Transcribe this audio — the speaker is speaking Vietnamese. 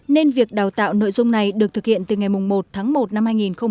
nên việc đào tạo nội dung này được thực hiện từ ngày một tháng một năm hai nghìn hai mươi